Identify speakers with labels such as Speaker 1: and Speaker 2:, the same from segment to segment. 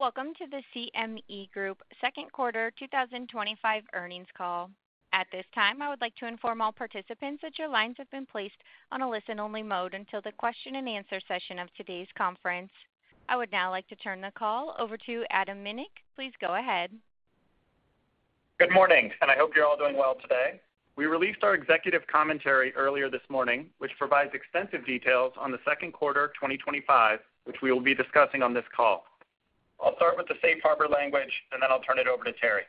Speaker 1: Welcome to the CME Group second quarter 2025 earnings call. At this time, I would like to inform all participants that your lines have been placed on a listen-only mode until the question-and-answer session of today's conference. I would now like to turn the call over to Adam Minick. Please go ahead.
Speaker 2: Good morning, and I hope you're all doing well today. We released our executive commentary earlier this morning, which provides extensive details on the second quarter 2025, which we will be discussing on this call. I'll start with the safe harbor language, and then I'll turn it over to Terry.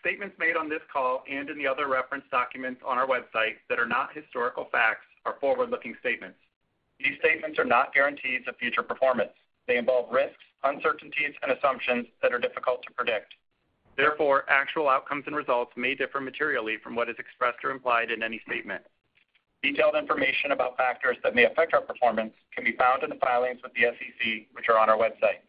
Speaker 2: Statements made on this call and in the other reference documents on our website that are not historical facts are forward-looking statements. These statements are not guarantees of future performance. They involve risks, uncertainties, and assumptions that are difficult to predict. Therefore, actual outcomes and results may differ materially from what is expressed or implied in any statement. Detailed information about factors that may affect our performance can be found in the filings with the SEC, which are on our website.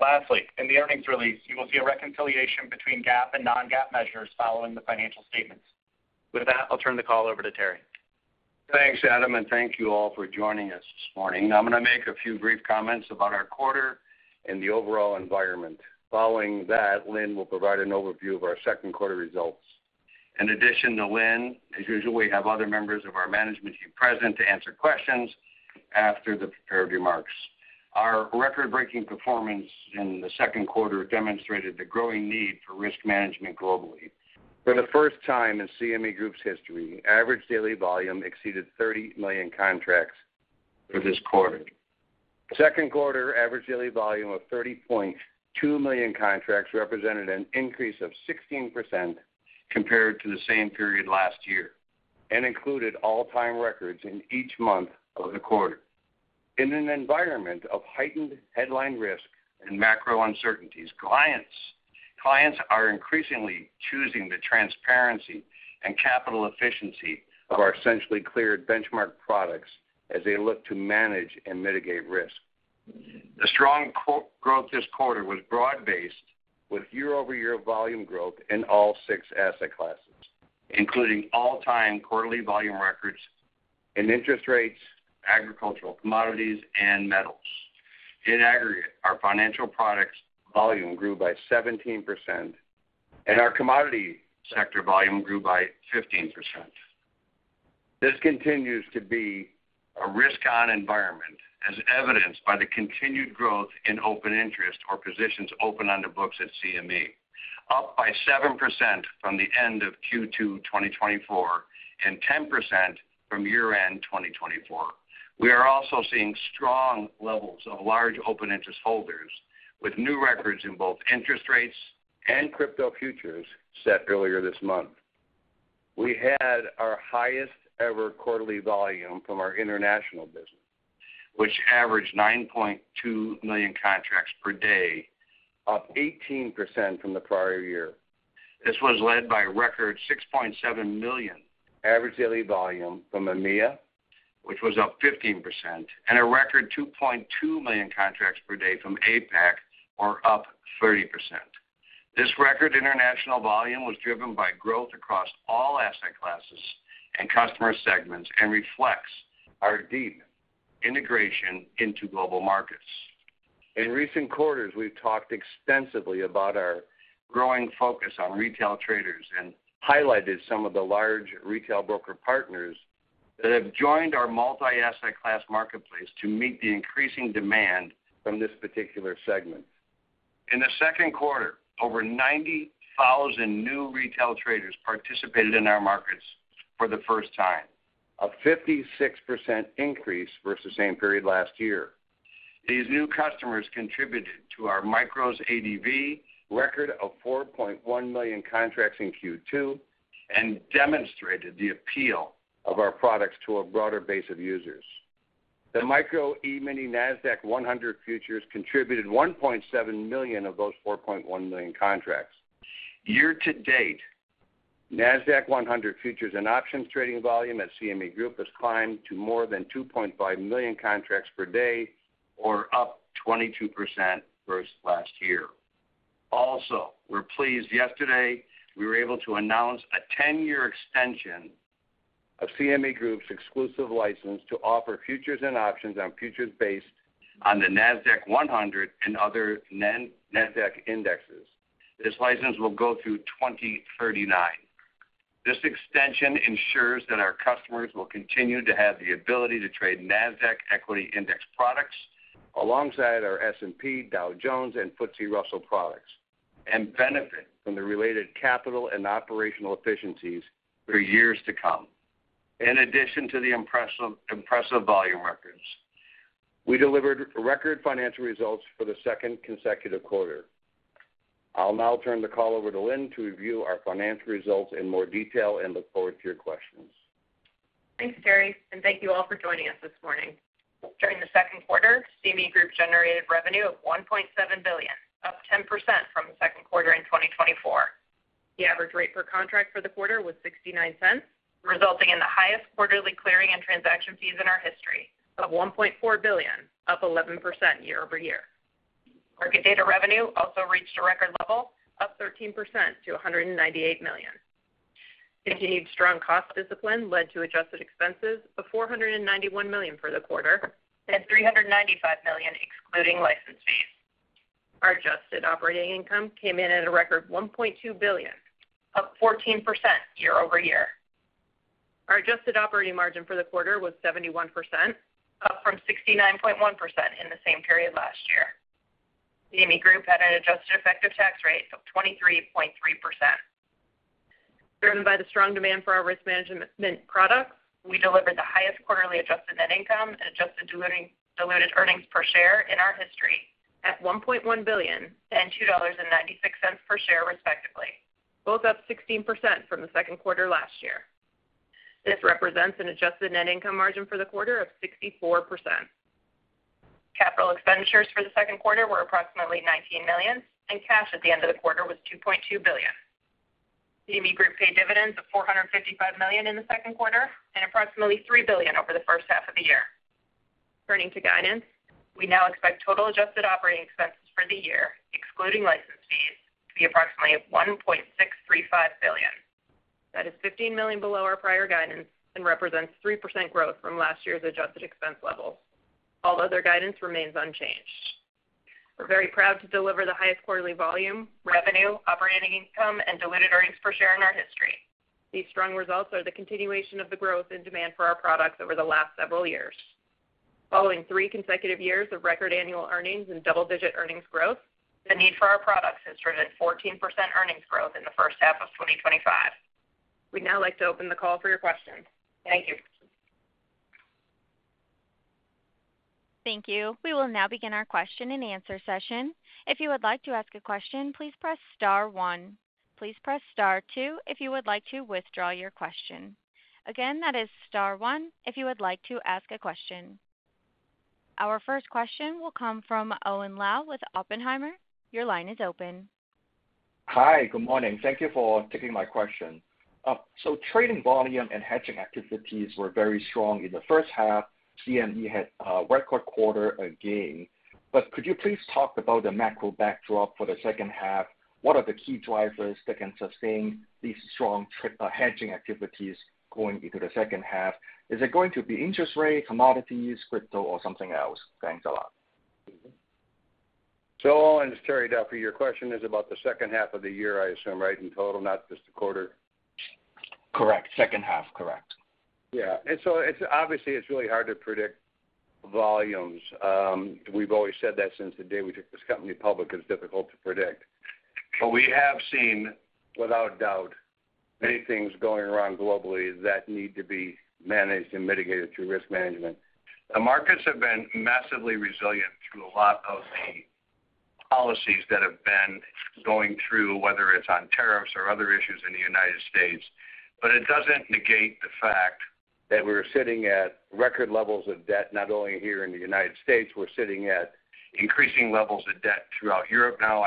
Speaker 2: Lastly, in the earnings release, you will see a reconciliation between GAAP and non-GAAP measures following the financial statements. With that, I'll turn the call over to Terry.
Speaker 3: Thanks, Adam, and thank you all for joining us this morning. I'm going to make a few brief comments about our quarter and the overall environment. Following that, Lynne will provide an overview of our second quarter results. In addition to Lynne, as usual, we have other members of our management team present to answer questions after the fair remarks. Our record-breaking performance in the second quarter demonstrated the growing need for risk management globally. For the first time in CME Group's history, average daily volume exceeded 30 million contracts for this quarter. Second quarter average daily volume of 30.2 million contracts represented an increase of 16% compared to the same period last year and included all-time records in each month of the quarter. In an environment of heightened headline risk and macro uncertainties, clients are increasingly choosing the transparency and capital efficiency of our centrally cleared benchmark products as they look to manage and mitigate risk. The strong growth this quarter was broad-based, with year-over-year volume growth in all six asset classes, including all-time quarterly volume records in interest rates, agricultural commodities, and metals. In aggregate, our financial products volume grew by 17%. And our commodity sector volume grew by 15%. This continues to be a risk-on environment, as evidenced by the continued growth in open interest or positions open on the books at CME, up by 7% from the end of Q2 2024 and 10% from year-end 2024. We are also seeing strong levels of large open interest holders, with new records in both interest rates and crypto futures set earlier this month. We had our highest-ever quarterly volume from our international business, which averaged 9.2 million contracts per day, up 18% from the prior year. This was led by record 6.7 million average daily volume from EMEA, which was up 15%, and a record 2.2 million contracts per day from APAC, or up 30%. This record international volume was driven by growth across all asset classes and customer segments and reflects our deep integration into global markets. In recent quarters, we've talked extensively about our growing focus on retail traders and highlighted some of the large retail broker partners that have joined our multi-asset class marketplace to meet the increasing demand from this particular segment. In the second quarter, over 90,000 new retail traders participated in our markets for the first time, a 56% increase versus the same period last year. These new customers contributed to our micros ADV record of 4.1 million contracts in Q2 and demonstrated the appeal of our products to a broader base of users. The Micro E-mini Nasdaq-100 futures contributed 1.7 million of those 4.1 million contracts. Year-to-date. Nasdaq-100 futures and options trading volume at CME Group has climbed to more than 2.5 million contracts per day, or up 22% versus last year. Also, we're pleased yesterday we were able to announce a 10-year extension. Of CME Group's exclusive license to offer futures and options on futures based on the Nasdaq-100 and other non-Nasdaq indexes. This license will go through 2039. This extension ensures that our customers will continue to have the ability to trade Nasdaq equity index products alongside our S&P, Dow Jones, and FTSE Russell products and benefit from the related capital and operational efficiencies for years to come. In addition to the impressive volume records, we delivered record financial results for the second consecutive quarter. I'll now turn the call over to Lynne to review our financial results in more detail and look forward to your questions.
Speaker 4: Thanks, Terry, and thank you all for joining us this morning. During the second quarter, CME Group generated revenue of $1.7 billion, up 10% from the second quarter in 2024. The average rate per contract for the quarter was $0.69, resulting in the highest quarterly clearing and transaction fees in our history of $1.4 billion, up 11% year-over-year. Market data revenue also reached a record level, up 13% to $198 million. Continued strong cost discipline led to adjusted expenses of $491 million for the quarter and $395 million excluding license fees. Our adjusted operating income came in at a record $1.2 billion, up 14% year-over-year. Our adjusted operating margin for the quarter was 71%, up from 69.1% in the same period last year. CME Group had an adjusted effective tax rate of 23.3%. Driven by the strong demand for our risk management products, we delivered the highest quarterly adjusted net income and adjusted diluted earnings per share in our history at $1.1 billion and $2.96 per share, respectively, both up 16% from the second quarter last year. This represents an adjusted net income margin for the quarter of 64%. Capital expenditures for the second quarter were approximately $19 million, and cash at the end of the quarter was $2.2 billion. CME Group paid dividends of $455 million in the second quarter and approximately $3 billion over the first half of the year. Turning to guidance, we now expect total adjusted operating expenses for the year, excluding license fees, to be approximately $1.635 billion. That is $15 million below our prior guidance and represents 3% growth from last year's adjusted expense levels, although their guidance remains unchanged. We're very proud to deliver the highest quarterly volume, revenue, operating income, and diluted earnings per share in our history. These strong results are the continuation of the growth in demand for our products over the last several years. Following three consecutive years of record annual earnings and double-digit earnings growth, the need for our products has driven 14% earnings growth in the first half of 2025. We'd now like to open the call for your questions. Thank you.
Speaker 1: Thank you. We will now begin our question-and-answer session. If you would like to ask a question, please press star one. Please press star two if you would like to withdraw your question. Again, that is star one if you would like to ask a question. Our first question will come from Owen Lau with Oppenheimer. Your line is open.
Speaker 5: Hi, good morning. Thank you for taking my question. Trading volume and hedging activities were very strong in the first half. CME had a record quarter again. Could you please talk about the macro backdrop for the second half? What are the key drivers that can sustain these strong hedging activities going into the second half? Is it going to be interest rates, commodities, crypto, or something else? Thanks a lot.
Speaker 3: All, and Terry, for your question is about the second half of the year, I assume, right, in total, not just the quarter?
Speaker 5: Correct. Second half, correct.
Speaker 3: Yeah. It is really hard to predict volumes. We've always said that since the day we took this company public. It is difficult to predict. We have seen, without doubt, many things going wrong globally that need to be managed and mitigated through risk management. The markets have been massively resilient through a lot of the policies that have been going through, whether it is on tariffs or other issues in the United States. It does not negate the fact that we are sitting at record levels of debt, not only here in the United States. We are sitting at increasing levels of debt throughout Europe now.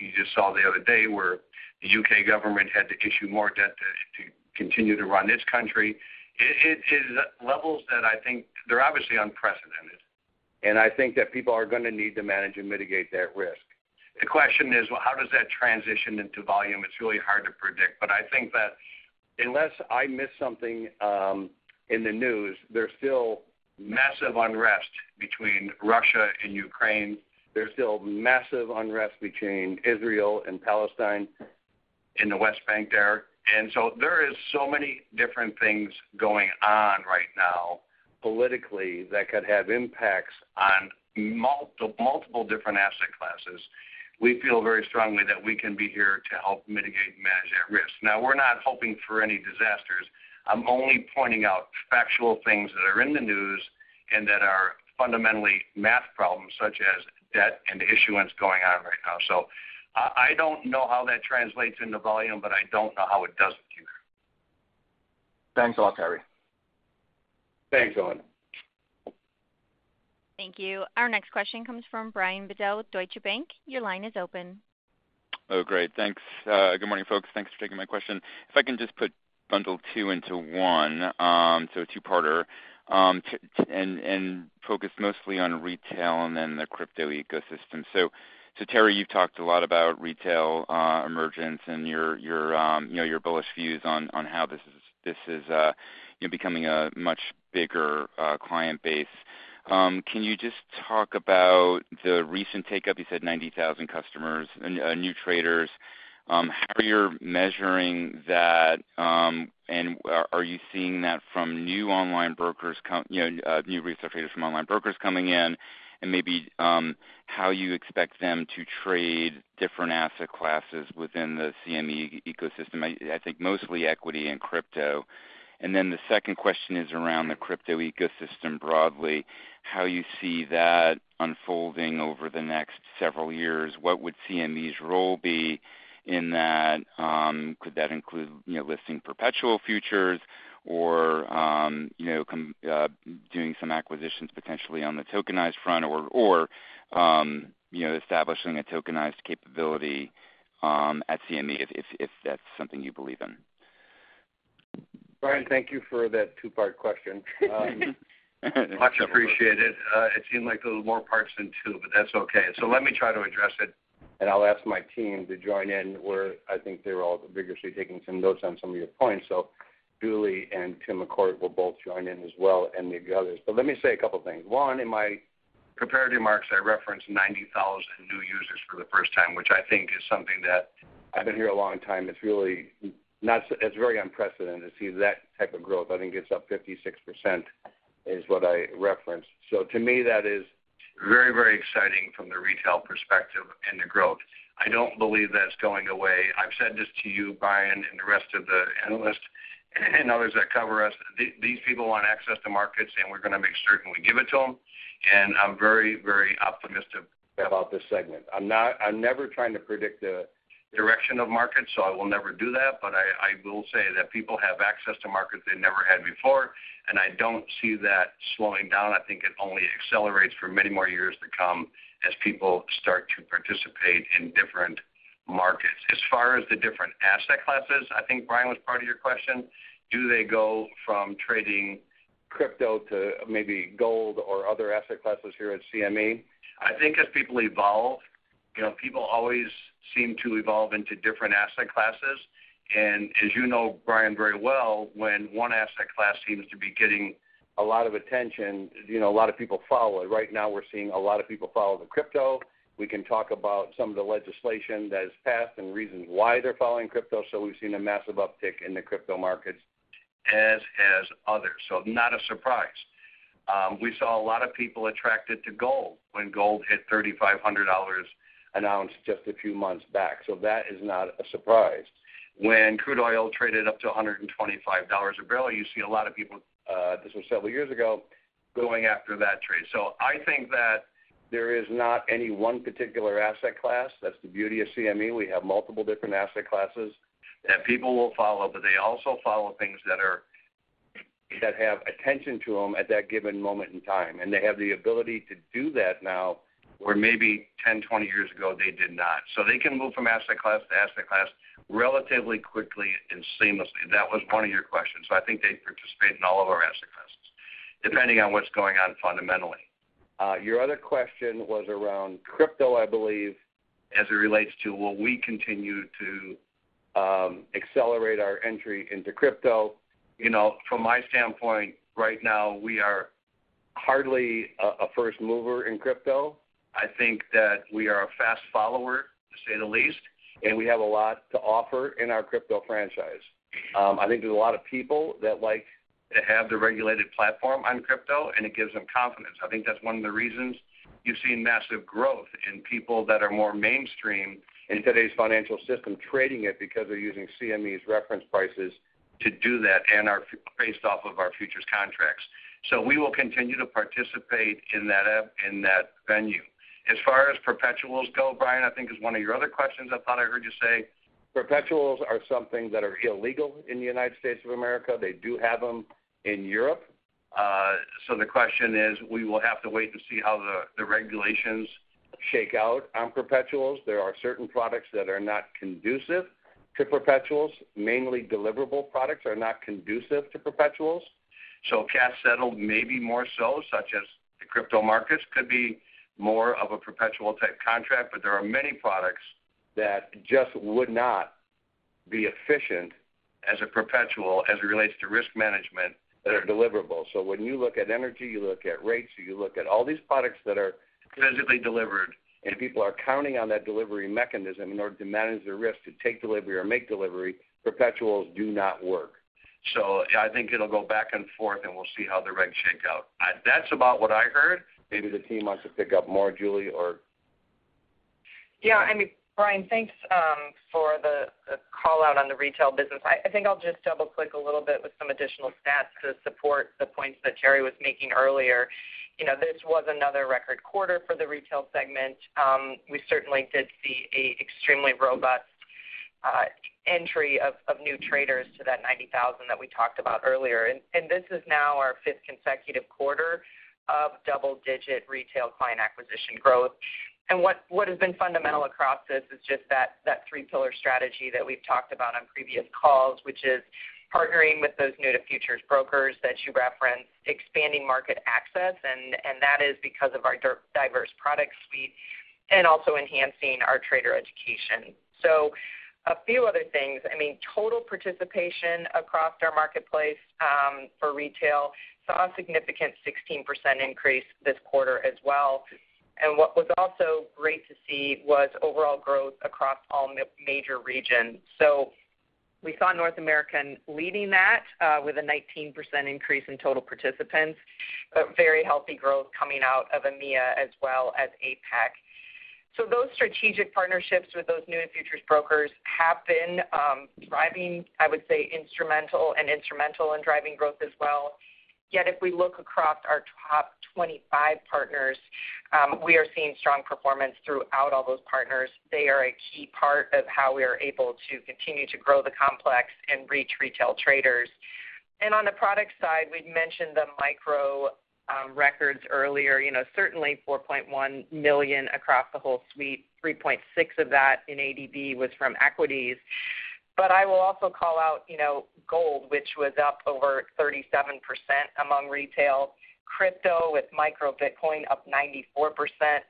Speaker 3: You just saw the other day where the U.K. government had to issue more debt to continue to run its country. It is levels that I think are obviously unprecedented, and I think that people are going to need to manage and mitigate that risk. The question is, how does that transition into volume? It is really hard to predict. I think that unless I missed something in the news, there is still massive unrest between Russia and Ukraine. There is still massive unrest between Israel and Palestine in the West Bank there. There are so many different things going on right now politically that could have impacts on multiple different asset classes. We feel very strongly that we can be here to help mitigate and manage that risk. We are not hoping for any disasters. I am only pointing out factual things that are in the news and that are fundamentally math problems, such as debt and issuance going on right now. I do not know how that translates into volume, but I do not know how it does here.
Speaker 5: Thanks a lot, Terry.
Speaker 3: Thanks, Owen.
Speaker 1: Thank you. Our next question comes from Brian Bedell with Deutsche Bank. Your line is open.
Speaker 6: Oh, great. Thanks. Good morning, folks. Thanks for taking my question. If I can just put bundle two into one, so a two-parter. And focus mostly on retail and then the crypto ecosystem. So, Terry, you've talked a lot about retail emergence and your bullish views on how this is becoming a much bigger client base. Can you just talk about the recent take-up? You said 90,000 customers, new traders. How are you measuring that? And are you seeing that from new online brokers, new retail traders from online brokers coming in, and maybe how you expect them to trade different asset classes within the CME ecosystem? I think mostly equity and crypto. And then the second question is around the crypto ecosystem broadly, how you see that unfolding over the next several years. What would CME's role be in that? Could that include listing perpetual futures or doing some acquisitions potentially on the tokenized front or establishing a tokenized capability at CME, if that's something you believe in?
Speaker 3: Brian, thank you for that two-part question. Much appreciated. It seemed like there were more parts than two, but that's okay. Let me try to address it, and I'll ask my team to join in, where I think they're all vigorously taking some notes on some of your points. Julie and Tim McCourt will both join in as well and maybe others. Let me say a couple of things. One, in my prepared remarks, I referenced 90,000 new users for the first time, which I think is something that I've been here a long time. It's very unprecedented to see that type of growth. I think it's up 56%. That is what I referenced. To me, that is very, very exciting from the retail perspective and the growth. I don't believe that's going away. I've said this to you, Brian, and the rest of the analysts and others that cover us. These people want access to markets, and we're going to make certain we give it to them. I'm very, very optimistic about this segment. I'm never trying to predict the direction of markets, so I will never do that. I will say that people have access to markets they never had before, and I don't see that slowing down. I think it only accelerates for many more years to come as people start to participate in different markets. As far as the different asset classes, I think, Brian, that was part of your question. Do they go from trading crypto to maybe gold or other asset classes here at CME? I think as people evolve, people always seem to evolve into different asset classes. As you know, Brian, very well, when one asset class seems to be getting a lot of attention, a lot of people follow it. Right now, we're seeing a lot of people follow the crypto. We can talk about some of the legislation that has passed and reasons why they're following crypto. We've seen a massive uptick in the crypto markets as others. Not a surprise. We saw a lot of people attracted to gold when gold hit $3,500, announced just a few months back. That is not a surprise. When crude oil traded up to $125 a barrel, you see a lot of people, this was several years ago, going after that trade. I think that there is not any one particular asset class. That's the beauty of CME. We have multiple different asset classes that people will follow, but they also follow things that have attention to them at that given moment in time. They have the ability to do that now where maybe 10-20 years ago they did not. They can move from asset class to asset class relatively quickly and seamlessly. That was one of your questions. I think they participate in all of our asset classes, depending on what's going on fundamentally. Your other question was around crypto, I believe, as it relates to will we continue to accelerate our entry into crypto. From my standpoint, right now, we are hardly a first mover in crypto. I think that we are a fast follower, to say the least, and we have a lot to offer in our crypto franchise. I think there are a lot of people that like to have the regulated platform on crypto, and it gives them confidence. I think that is one of the reasons you have seen massive growth in people that are more mainstream in today's financial system trading it because they are using CME's reference prices to do that and are based off of our futures contracts. We will continue to participate in that venue. As far as perpetuals go, Brian, I think it is one of your other questions I thought I heard you say. Perpetuals are something that are illegal in the United States of America. They do have them in Europe. The question is, we will have to wait and see how the regulations shake out on perpetuals. There are certain products that are not conducive to perpetuals. Mainly deliverable products are not conducive to perpetuals. Cash settled may be more so, such as the crypto markets could be more of a perpetual type contract. There are many products that just would not be efficient as a perpetual as it relates to risk management that are deliverable. When you look at energy, you look at rates, you look at all these products that are physically delivered, and people are counting on that delivery mechanism in order to manage the risk to take delivery or make delivery, perpetuals do not work. I think it will go back and forth, and we will see how the regs shake out. That is about what I heard. Maybe the team wants to pick up more, Julie, or.
Speaker 7: Yeah. I mean, Brian, thanks for the call out on the retail business. I think I'll just double-click a little bit with some additional stats to support the points that Terry was making earlier. This was another record quarter for the retail segment. We certainly did see an extremely robust entry of new traders to that 90,000 that we talked about earlier. This is now our fifth consecutive quarter of double-digit retail client acquisition growth. What has been fundamental across this is just that three-pillar strategy that we've talked about on previous calls, which is partnering with those new-to-futures brokers that you referenced, expanding market access. That is because of our diverse product suite and also enhancing our trader education. A few other things. I mean, total participation across our marketplace for retail saw a significant 16% increase this quarter as well. What was also great to see was overall growth across all major regions. We saw North America leading that with a 19% increase in total participants, very healthy growth coming out of EMEA as well as APAC. Those strategic partnerships with those new-to-futures brokers have been instrumental in driving growth as well. If we look across our top 25 partners, we are seeing strong performance throughout all those partners. They are a key part of how we are able to continue to grow the complex and reach retail traders. On the product side, we'd mentioned the micro records earlier. Certainly, 4.1 million across the whole suite. 3.6 of that in ADV was from equities. I will also call out gold, which was up over 37% among retail. Crypto with Micro Bitcoin up 94%,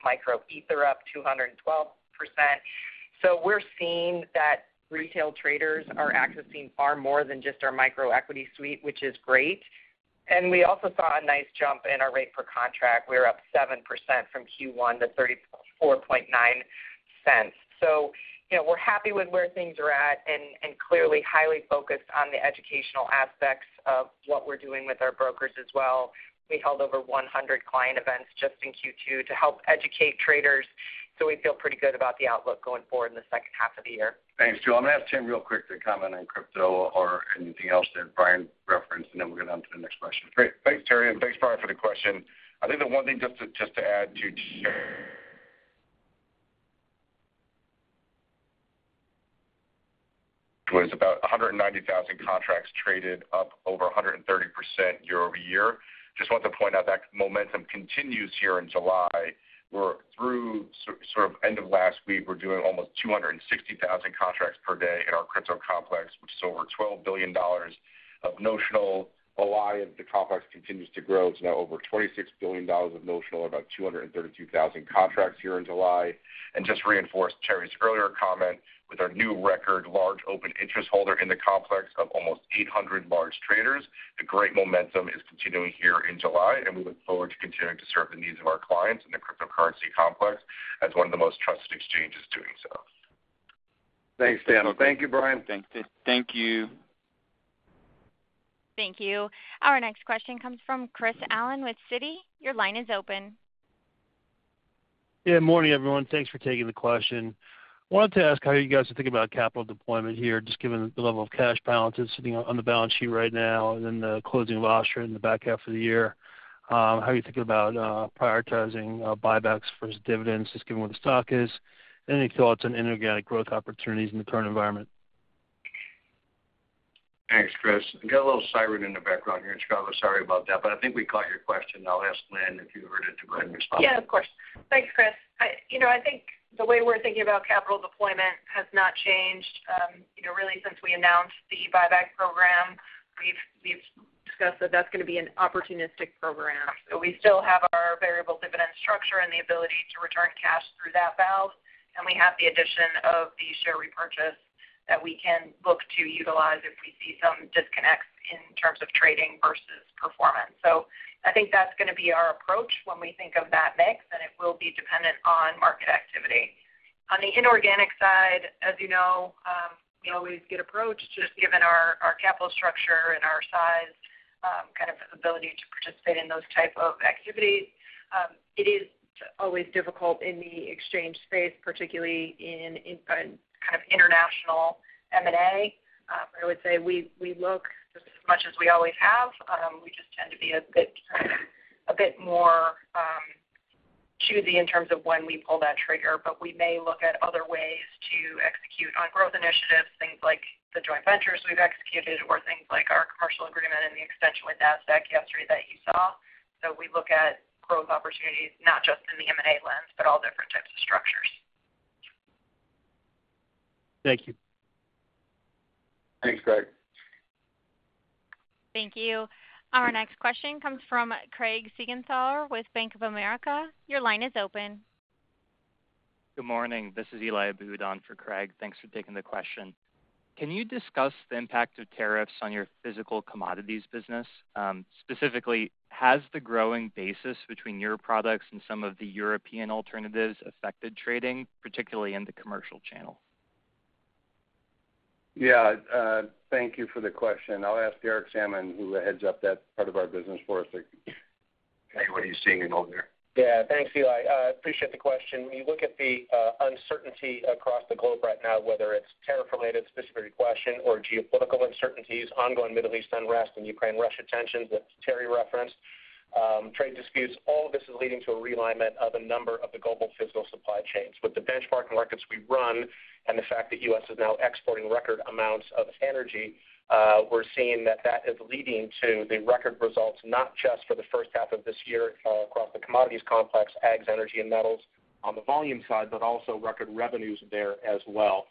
Speaker 7: Micro Ether up 212%. We're seeing that retail traders are accessing far more than just our micro equity suite, which is great. We also saw a nice jump in our rate per contract. We're up 7% from Q1 to $0.349. We're happy with where things are at and clearly highly focused on the educational aspects of what we're doing with our brokers as well. We held over 100 client events just in Q2 to help educate traders. We feel pretty good about the outlook going forward in the second half of the year.
Speaker 3: Thanks, Julie. I'm going to ask Tim real quick to comment on crypto or anything else that Brian referenced, and then we'll get on to the next question.
Speaker 8: Great. Thanks, Terry. And thanks, Brian, for the question. I think the one thing just to add to share was about 190,000 contracts traded, up over 130% year-over-year. Just want to point out that momentum continues here in July. We're through sort of end of last week. We're doing almost 260,000 contracts per day in our crypto complex, which is over $12 billion of notional. A lot of the complex continues to grow. It's now over $26 billion of notional, about 232,000 contracts here in July. Just to reinforce Terry's earlier comment, with our new record large open interest holder in the complex of almost 800 large traders, the great momentum is continuing here in July, and we look forward to continuing to serve the needs of our clients in the cryptocurrency complex as one of the most trusted exchanges doing so.
Speaker 3: Thanks, Tim. Thank you, Brian.
Speaker 8: Thank you.
Speaker 1: Thank you. Our next question comes from Chris Allen with Citi. Your line is open.
Speaker 9: Yeah. Morning, everyone. Thanks for taking the question. I wanted to ask how you guys are thinking about capital deployment here, just given the level of cash balance that's sitting on the balance sheet right now and then the closing of OSHA in the back half of the year. How are you thinking about prioritizing buybacks versus dividends, just given what the stock is, and any thoughts on inorganic growth opportunities in the current environment?
Speaker 3: Thanks, Chris. I got a little siren in the background here in Chicago. Sorry about that. I think we caught your question. I'll ask Lynne if you heard it to go ahead and respond.
Speaker 4: Yeah, of course. Thanks, Chris. I think the way we're thinking about capital deployment has not changed. Really, since we announced the buyback program. We've discussed that that's going to be an opportunistic program. We still have our variable dividend structure and the ability to return cash through that valve. We have the addition of the share repurchase that we can look to utilize if we see some disconnects in terms of trading versus performance. I think that's going to be our approach when we think of that mix, and it will be dependent on market activity. On the inorganic side, as you know, we always get approached, just given our capital structure and our size, kind of ability to participate in those types of activities. It is always difficult in the exchange space, particularly in kind of international M&A. I would say we look just as much as we always have. We just tend to be a bit more choosy in terms of when we pull that trigger. We may look at other ways to execute on growth initiatives, things like the joint ventures we've executed or things like our commercial agreement and the extension with Nasdaq yesterday that you saw. We look at growth opportunities, not just in the M&A lens, but all different types of structures.
Speaker 9: Thank you.
Speaker 3: Thanks, Craig.
Speaker 1: Thank you. Our next question comes from Craig Siegenthaler with Bank of America. Your line is open.
Speaker 10: Good morning. This is Eli Abdo for Craig. Thanks for taking the question. Can you discuss the impact of tariffs on your physical commodities business? Specifically, has the growing basis between your products and some of the European alternatives affected trading, particularly in the commercial channel?
Speaker 3: Yeah. Thank you for the question. I'll ask Derek Sammann, who heads up that part of our business for us. Hey, what are you seeing over there?
Speaker 11: Yeah. Thanks, Eli. I appreciate the question. When you look at the uncertainty across the globe right now, whether it's tariff-related, specifically question, or geopolitical uncertainties, ongoing Middle East unrest and Ukraine-Russia tensions that Terry referenced, trade disputes, all of this is leading to a realignment of a number of the global physical supply chains. With the benchmarking markets we run and the fact that the U.S. is now exporting record amounts of energy, we're seeing that that is leading to the record results, not just for the first half of this year across the commodities complex, ags, energy, and metals on the volume side, but also record revenues there as well.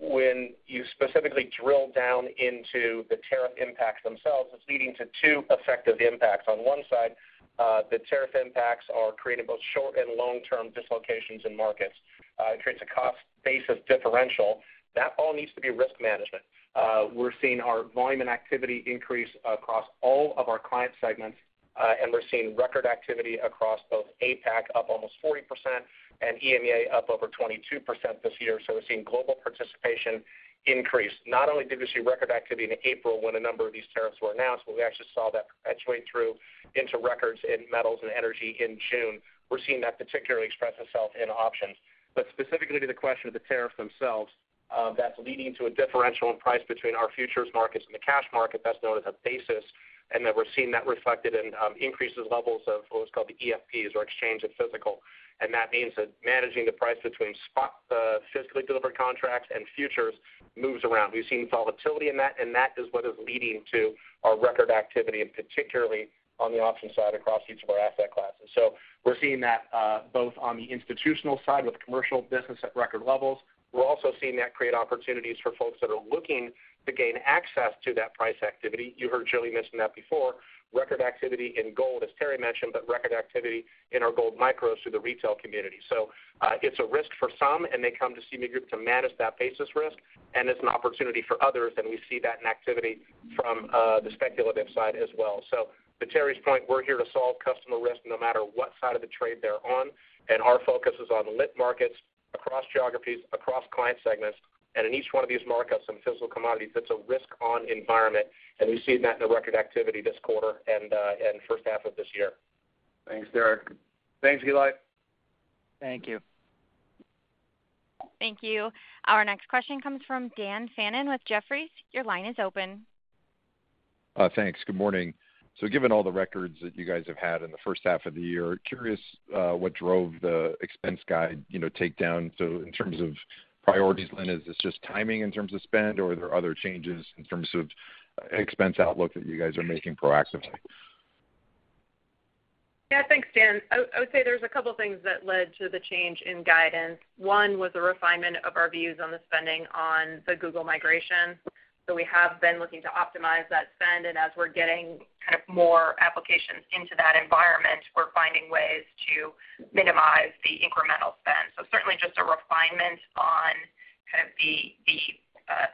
Speaker 11: When you specifically drill down into the tariff impacts themselves, it's leading to two effective impacts. On one side, the tariff impacts are creating both short and long-term dislocations in markets. It creates a cost-basis differential. That all needs to be risk management. We're seeing our volume and activity increase across all of our client segments, and we're seeing record activity across both APAC, up almost 40%, and EMEA, up over 22% this year. We are seeing global participation increase. Not only did we see record activity in April when a number of these tariffs were announced, but we actually saw that perpetuate through into records in metals and energy in June. We are seeing that particularly express itself in options. Specifically to the question of the tariffs themselves, that's leading to a differential in price between our futures markets and the cash market, that's known as a basis. We are seeing that reflected in increases levels of what was called the EFPs, or exchange of physical. That means that managing the price between spot physically delivered contracts and futures moves around. We've seen volatility in that, and that is what is leading to our record activity, and particularly on the option side across each of our asset classes. We are seeing that both on the institutional side with commercial business at record levels. We are also seeing that create opportunities for folks that are looking to gain access to that price activity. You heard Julie mention that before, record activity in gold, as Terry mentioned, but record activity in our gold micros through the retail community. It is a risk for some, and they come to CME Group to manage that basis risk. It is an opportunity for others, and we see that in activity from the speculative side as well. To Terry's point, we are here to solve customer risk no matter what side of the trade they're on. Our focus is on lit markets, across geographies, across client segments, and in each one of these markets and physical commodities, it's a risk-on environment. We have seen that in the record activity this quarter and first half of this year.
Speaker 3: Thanks, Derek. Thanks, Eli.
Speaker 10: Thank you.
Speaker 1: Thank you. Our next question comes from Dan Fannon with Jefferies. Your line is open.
Speaker 12: Thanks. Good morning. Given all the records that you guys have had in the first half of the year, curious what drove the expense guide takedown. In terms of priorities, Lynne, is this just timing in terms of spend, or are there other changes in terms of expense outlook that you guys are making proactively?
Speaker 4: Yeah, thanks, Dan. I would say there's a couple of things that led to the change in guidance. One was a refinement of our views on the spending on the Google migration. We have been looking to optimize that spend. As we're getting more applications into that environment, we're finding ways to minimize the incremental spend. Certainly just a refinement on the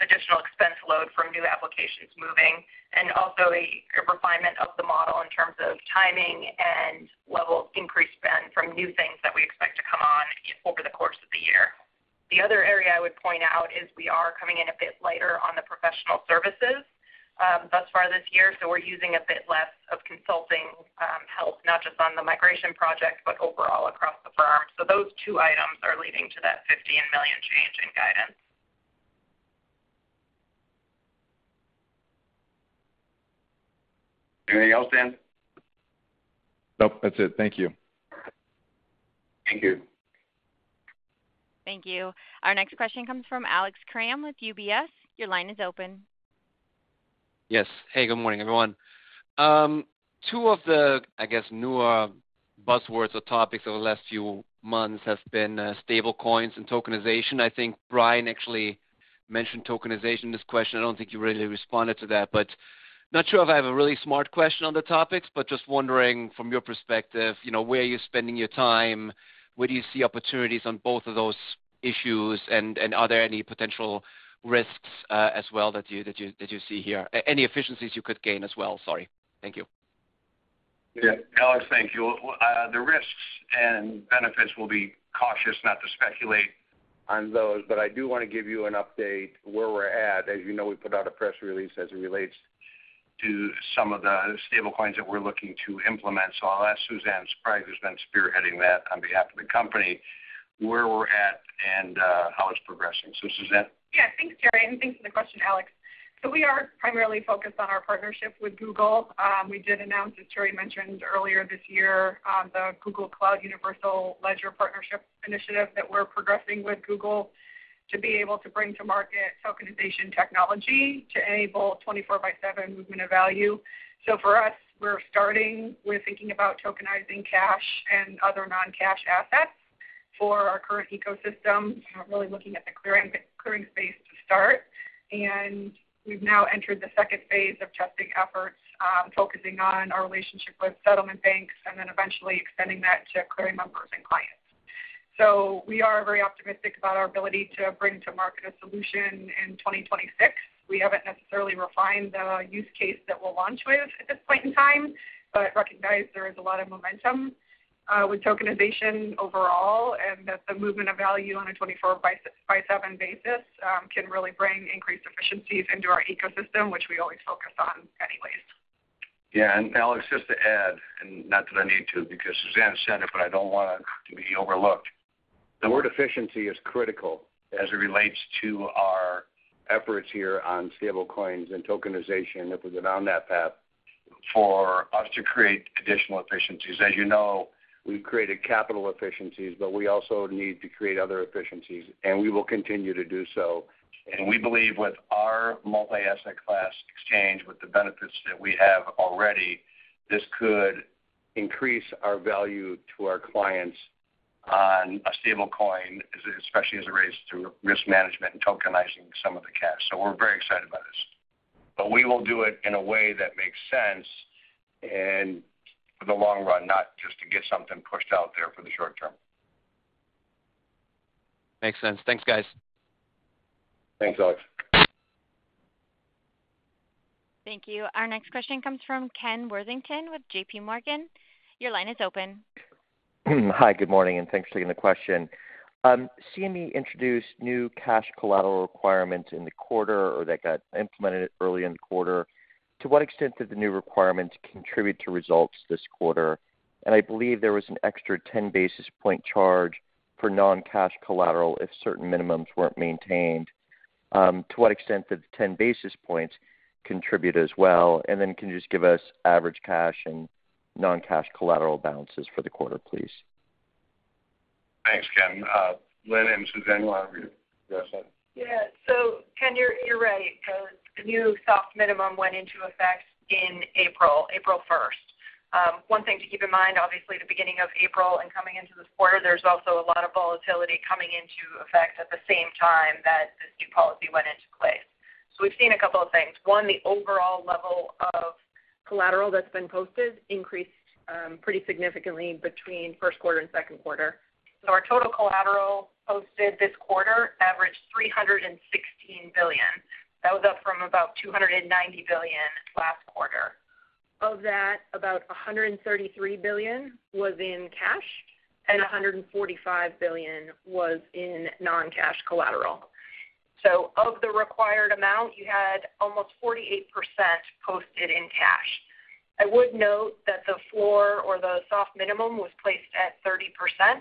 Speaker 4: additional expense load from new applications moving, and also a refinement of the model in terms of timing and level of increased spend from new things that we expect to come on over the course of the year. The other area I would point out is we are coming in a bit lighter on the professional services thus far this year. We're using a bit less of consulting help, not just on the migration project, but overall across the firm. Those two items are leading to that $50 million change in guidance.
Speaker 3: Anything else, Dan?
Speaker 12: Nope. That's it. Thank you.
Speaker 3: Thank you.
Speaker 1: Thank you. Our next question comes from Alex Kramm with UBS. Your line is open.
Speaker 13: Yes. Hey, good morning, everyone. Two of the, I guess, newer buzzwords or topics over the last few months have been stablecoins and tokenization. I think Brian actually mentioned tokenization in this question. I do not think you really responded to that, but not sure if I have a really smart question on the topics, but just wondering from your perspective, where are you spending your time? Where do you see opportunities on both of those issues? And are there any potential risks as well that you see here? Any efficiencies you could gain as well? Sorry. Thank you.
Speaker 3: Yeah. Alex, thank you. The risks and benefits, we'll be cautious not to speculate on those. I do want to give you an update where we're at. As you know, we put out a press release as it relates to some of the stablecoins that we're looking to implement. I'll ask Suzanne Sprague, who's been spearheading that on behalf of the company, where we're at and how it's progressing. Suzanne.
Speaker 14: Yeah. Thanks, Terry. And thanks for the question, Alex. We are primarily focused on our partnership with Google. We did announce, as Terry mentioned earlier this year, the Google Cloud Universal Ledger Partnership Initiative that we are progressing with Google to be able to bring to market tokenization technology to enable 24/7 movement of value. For us, we are starting with thinking about tokenizing cash and other non-cash assets for our current ecosystem, really looking at the clearing space to start. We have now entered the second phase of testing efforts, focusing on our relationship with settlement banks and then eventually extending that to clearing members and clients. We are very optimistic about our ability to bring to market a solution in 2026. We have not necessarily refined the use case that we will launch with at this point in time, but recognize there is a lot of momentum with tokenization overall and that the movement of value on a 24/7 basis can really bring increased efficiencies into our ecosystem, which we always focus on anyways.
Speaker 3: Yeah. Alex, just to add, and not that I need to because Suzanne said it, but I do not want to be overlooked. The word efficiency is critical as it relates to our efforts here on stablecoins and tokenization, if we get on that path, for us to create additional efficiencies. As you know, we have created capital efficiencies, but we also need to create other efficiencies. We will continue to do so. We believe with our multi-asset class exchange, with the benefits that we have already, this could increase our value to our clients on a stablecoin, especially as it relates to risk management and tokenizing some of the cash. We are very excited about this. We will do it in a way that makes sense. For the long run, not just to get something pushed out there for the short term.
Speaker 13: Makes sense. Thanks, guys.
Speaker 3: Thanks, Alex.
Speaker 1: Thank you. Our next question comes from Ken Worthington with JPMorgan. Your line is open.
Speaker 15: Hi, good morning, and thanks for taking the question. CME introduced new cash collateral requirements in the quarter or that got implemented early in the quarter. To what extent did the new requirements contribute to results this quarter? I believe there was an extra 10 basis point charge for non-cash collateral if certain minimums were not maintained. To what extent did the 10 basis points contribute as well? Can you just give us average cash and non-cash collateral balances for the quarter, please?
Speaker 3: Thanks, Ken. Lynne and Suzanne, why don't you address that?
Speaker 4: Yeah. Ken, you're right. The new soft minimum went into effect in April, April 1st. One thing to keep in mind, obviously, the beginning of April and coming into this quarter, there's also a lot of volatility coming into effect at the same time that this new policy went into place. We've seen a couple of things. One, the overall level of collateral that's been posted increased pretty significantly between first quarter and second quarter. Our total collateral posted this quarter averaged $316 billion. That was up from about $290 billion last quarter. Of that, about $133 billion was in cash, and $145 billion was in non-cash collateral. Of the required amount, you had almost 48% posted in cash. I would note that the floor or the soft minimum was placed at 30%,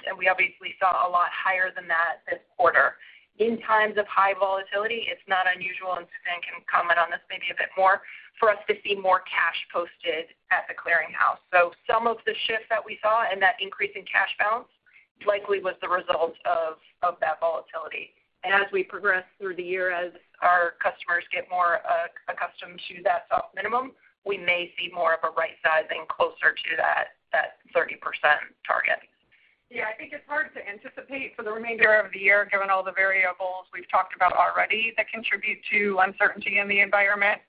Speaker 4: and we obviously saw a lot higher than that this quarter. In times of high volatility, it's not unusual, and Suzanne can comment on this maybe a bit more, for us to see more cash posted at the clearinghouse. Some of the shift that we saw and that increase in cash balance likely was the result of that volatility. As we progress through the year, as our customers get more accustomed to that soft minimum, we may see more of a right-sizing closer to that 30% target.
Speaker 14: I think it's hard to anticipate for the remainder of the year, given all the variables we've talked about already, that contribute to uncertainty in the environment.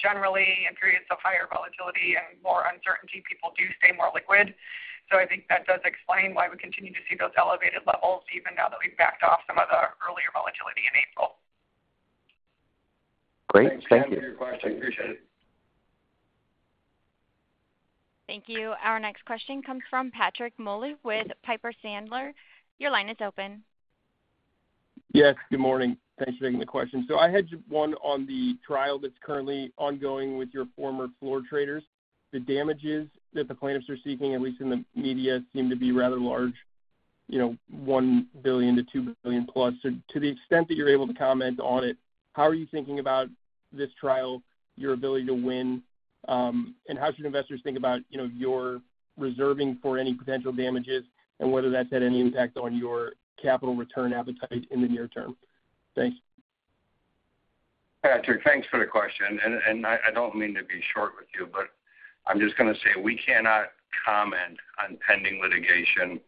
Speaker 14: Generally, in periods of higher volatility and more uncertainty, people do stay more liquid. I think that does explain why we continue to see those elevated levels, even now that we've backed off some of the earlier volatility in April.
Speaker 15: Great. Thank you.
Speaker 3: Thank you. Thank you.
Speaker 1: Thank you. Our next question comes from Patrick Moley with Piper Sandler. Your line is open.
Speaker 16: Yes. Good morning. Thanks for taking the question. I had one on the trial that's currently ongoing with your former floor traders. The damages that the plaintiffs are seeking, at least in the media, seem to be rather large, $1 billion-$2 billion plus. To the extent that you're able to comment on it, how are you thinking about this trial, your ability to win? How should investors think about your reserving for any potential damages and whether that's had any impact on your capital return appetite in the near term? Thanks.
Speaker 3: Patrick, thanks for the question. I do not mean to be short with you, but I am just going to say we cannot comment on pending litigation.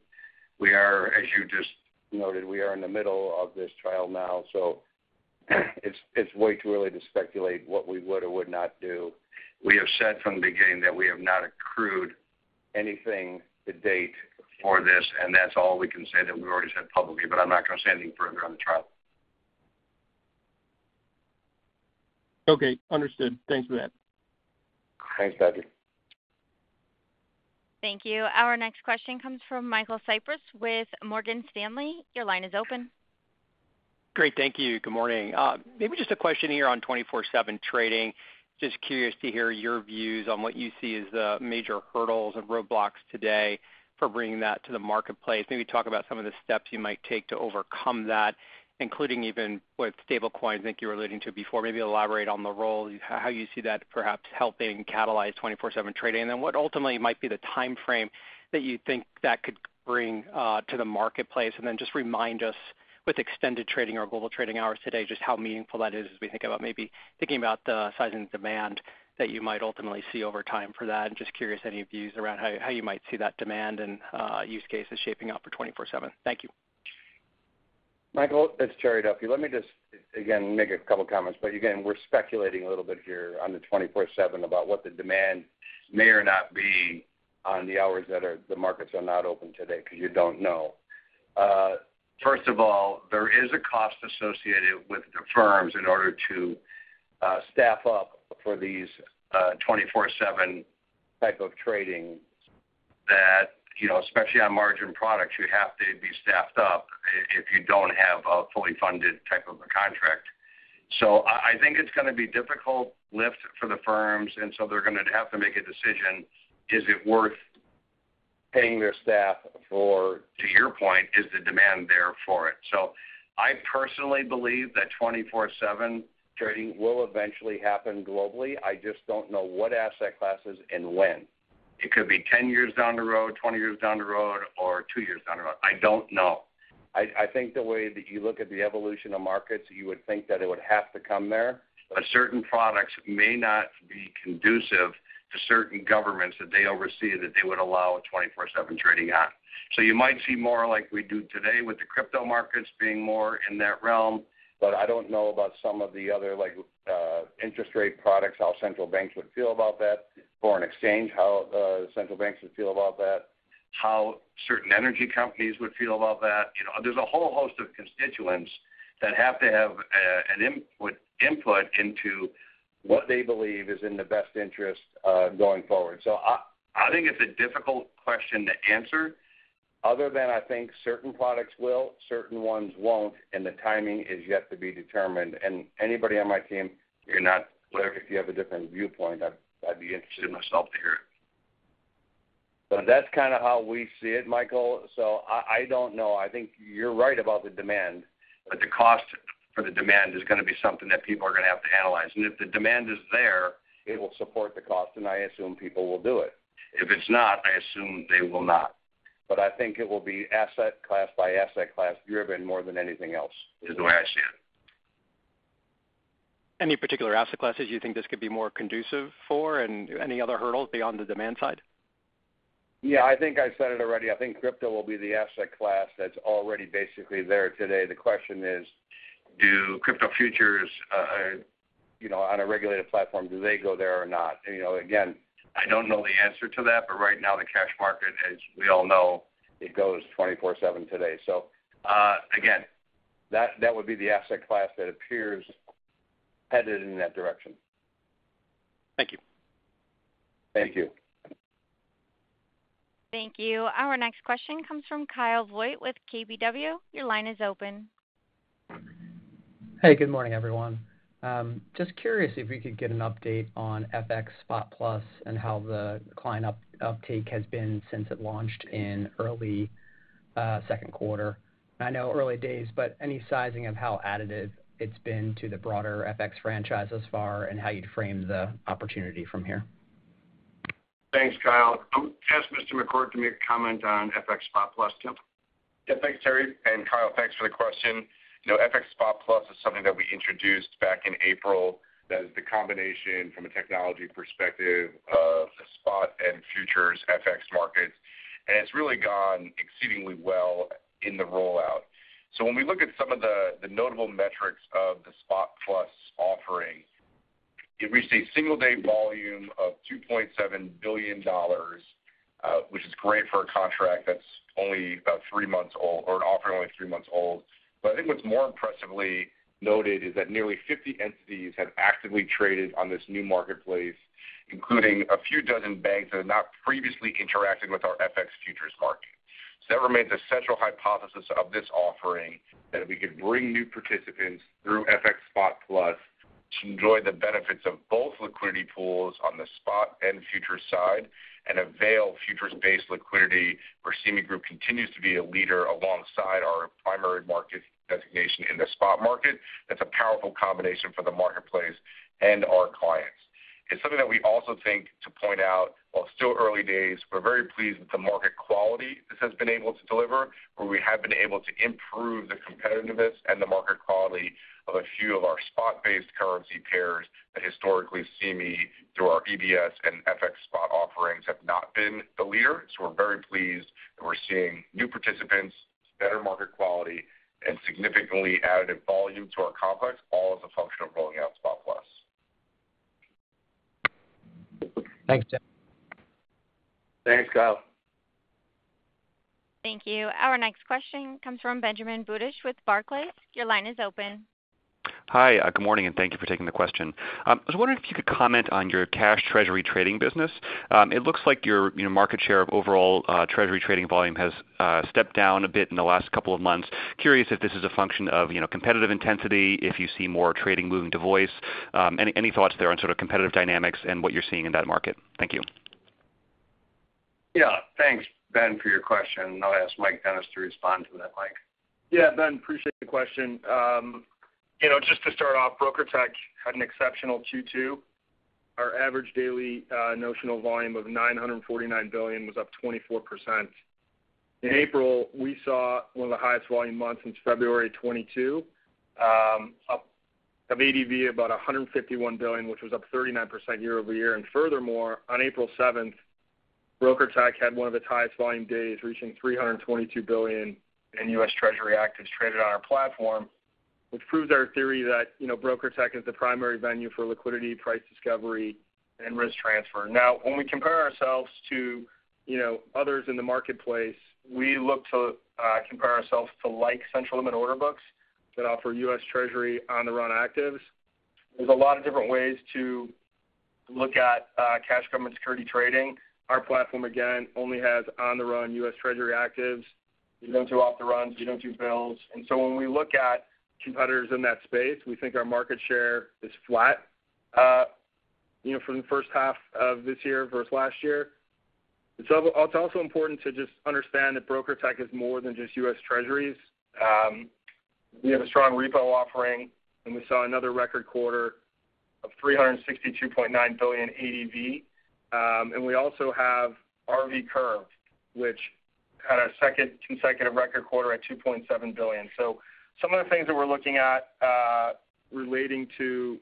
Speaker 3: As you just noted, we are in the middle of this trial now. It is way too early to speculate what we would or would not do. We have said from the beginning that we have not accrued anything to date for this, and that is all we can say that we have already said publicly. I am not going to say anything further on the trial.
Speaker 16: Okay. Understood. Thanks for that.
Speaker 3: Thanks, Patrick.
Speaker 1: Thank you. Our next question comes from Michael Cyprys with Morgan Stanley. Your line is open.
Speaker 17: Great. Thank you. Good morning. Maybe just a question here on 24/7 trading. Just curious to hear your views on what you see as the major hurdles and roadblocks today for bringing that to the marketplace. Maybe talk about some of the steps you might take to overcome that, including even with stablecoins like you were alluding to before. Maybe elaborate on the role, how you see that perhaps helping catalyze 24/7 trading, and then what ultimately might be the timeframe that you think that could bring to the marketplace. Just remind us with extended trading or global trading hours today just how meaningful that is as we think about maybe thinking about the size and demand that you might ultimately see over time for that. Just curious any views around how you might see that demand and use cases shaping up for 24/7. Thank you.
Speaker 3: Michael, that's Terry Duffy. Let me just, again, make a couple of comments. Again, we're speculating a little bit here on the 24/7 about what the demand may or may not be on the hours that the markets are not open today because you don't know. First of all, there is a cost associated with the firms in order to staff up for these 24/7 type of trading. Especially on margin products, you have to be staffed up if you don't have a fully funded type of a contract. I think it's going to be a difficult lift for the firms. They are going to have to make a decision. Is it worth paying their staff for, to your point, is the demand there for it? I personally believe that 24/7 trading will eventually happen globally. I just don't know what asset classes and when. It could be 10 years down the road, 20 years down the road, or 2 years down the road. I don't know. I think the way that you look at the evolution of markets, you would think that it would have to come there. Certain products may not be conducive to certain governments that they oversee that they would allow 24/7 trading on. You might see more like we do today with the crypto markets being more in that realm. I don't know about some of the other interest rate products, how central banks would feel about that, foreign exchange, how central banks would feel about that, how certain energy companies would feel about that. There's a whole host of constituents that have to have an input into what they believe is in the best interest going forward. I think it's a difficult question to answer other than I think certain products will, certain ones won't, and the timing is yet to be determined. Anybody on my team, you're not clear if you have a different viewpoint. I'd be interested myself to hear it. That's kind of how we see it, Michael. I don't know. I think you're right about the demand, but the cost for the demand is going to be something that people are going to have to analyze. If the demand is there, it will support the cost, and I assume people will do it. If it's not, I assume they will not. I think it will be asset class by asset class driven more than anything else is the way I see it.
Speaker 17: Any particular asset classes you think this could be more conducive for, and any other hurdles beyond the demand side?
Speaker 3: Yeah. I think I said it already. I think crypto will be the asset class that's already basically there today. The question is, do crypto futures on a regulated platform, do they go there or not? Again, I don't know the answer to that, but right now the cash market, as we all know, it goes 24/7 today. Again, that would be the asset class that appears headed in that direction. Thank you. Thank you.
Speaker 1: Thank you. Our next question comes from Kyle Voigt with KBW. Your line is open.
Speaker 18: Hey, good morning, everyone. Just curious if we could get an update on FX Spot+ and how the client uptake has been since it launched in early second quarter. I know early days, but any sizing of how additive it's been to the broader FX franchise thus far and how you'd frame the opportunity from here?
Speaker 3: Thanks, Kyle. I'll ask Mr. McCourt to make a comment on FX Spot+, Tim.
Speaker 8: Yeah. Thanks, Terry. Kyle, thanks for the question. FX Spot+ is something that we introduced back in April that is the combination from a technology perspective of spot and futures FX markets. It has really gone exceedingly well in the rollout. When we look at some of the notable metrics of the Spot+ offering, it reached a single-day volume of $2.7 billion, which is great for a contract that is only about three months old or an offering only three months old. I think what is more impressively noted is that nearly 50 entities have actively traded on this new marketplace, including a few dozen banks that have not previously interacted with our FX futures market. That remains a central hypothesis of this offering, that we could bring new participants through FX Spot+ to enjoy the benefits of both liquidity pools on the spot and futures side and avail futures-based liquidity where CME Group continues to be a leader alongside our primary market designation in the spot market. That is a powerful combination for the marketplace and our clients. It is something that we also think to point out, while still early days, we are very pleased with the market quality this has been able to deliver, where we have been able to improve the competitiveness and the market quality of a few of our spot-based currency pairs that historically CME, through our EBS and FX Spot offerings, have not been the leader. We are very pleased that we are seeing new participants, better market quality, and significantly additive volume to our complex, all as a function of rolling out Spot+. Thanks, Tim.
Speaker 3: Thanks, Kyle.
Speaker 1: Thank you. Our next question comes from Benjamin Budish with Barclays. Your line is open.
Speaker 19: Hi. Good morning, and thank you for taking the question. I was wondering if you could comment on your cash treasury trading business. It looks like your market share of overall treasury trading volume has stepped down a bit in the last couple of months. Curious if this is a function of competitive intensity, if you see more trading moving to voice. Any thoughts there on sort of competitive dynamics and what you're seeing in that market? Thank you.
Speaker 3: Yeah. Thanks, Ben, for your question. I'll ask Mike Dennis to respond to that, Mike.
Speaker 20: Yeah, Ben, appreciate the question. Just to start off, BrokerTec had an exceptional Q2. Our average daily notional volume of $949 billion was up 24%. In April, we saw one of the highest volume months since February 2022. Of ADV, about $151 billion, which was up 39% year-over-year. Furthermore, on April 7th, BrokerTec had one of its highest volume days, reaching $322 billion in U.S. treasury actives traded on our platform, which proves our theory that BrokerTec is the primary venue for liquidity, price discovery, and risk transfer. Now, when we compare ourselves to others in the marketplace, we look to compare ourselves to central limit order books that offer U.S. treasury on-the-run actives. There are a lot of different ways to look at cash government security trading. Our platform, again, only has on-the-run U.S. treasury actives. We do not do off-the-runs. We do not do bills. When we look at competitors in that space, we think our market share is flat from the first half of this year versus last year. It is also important to just understand that BrokerTec is more than just U.S. treasuries. We have a strong repo offering, and we saw another record quarter of $362.9 billion ADV. We also have RV Curve, which had our second consecutive record quarter at $2.7 billion. Some of the things that we are looking at relating to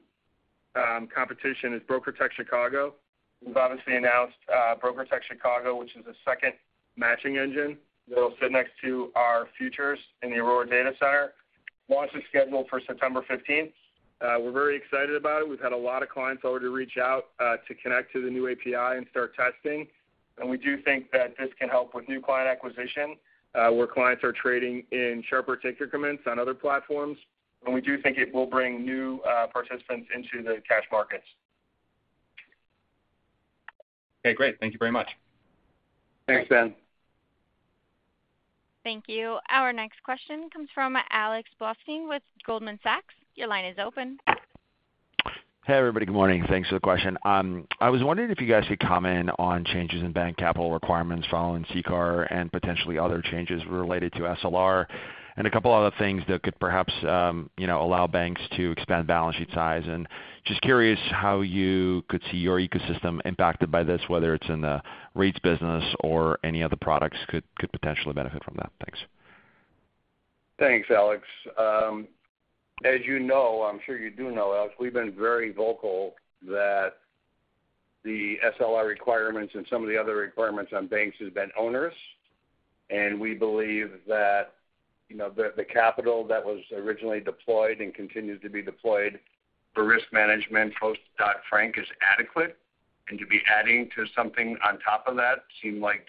Speaker 20: competition is BrokerTec Chicago. We have obviously announced BrokerTec Chicago, which is a second matching engine that will sit next to our futures in the Aurora data center. Launch is scheduled for September 15. We are very excited about it. We have had a lot of clients already reach out to connect to the new API and start testing. We do think that this can help with new client acquisition where clients are trading in sharper ticket commitments on other platforms. We do think it will bring new participants into the cash markets.
Speaker 19: Okay. Great. Thank you very much.
Speaker 3: Thanks, Ben.
Speaker 1: Thank you. Our next question comes from Alex Blostein with Goldman Sachs. Your line is open.
Speaker 21: Hey, everybody. Good morning. Thanks for the question. I was wondering if you guys could comment on changes in bank capital requirements following CCAR and potentially other changes related to SLR and a couple of other things that could perhaps allow banks to expand balance sheet size. Just curious how you could see your ecosystem impacted by this, whether it is in the REITs business or any other products could potentially benefit from that. Thanks.
Speaker 3: Thanks, Alex. As you know, I'm sure you do know, Alex, we've been very vocal that the SLR requirements and some of the other requirements on banks have been onerous. We believe that the capital that was originally deployed and continues to be deployed for risk management post-Dodd-Frank is adequate. To be adding to something on top of that seemed like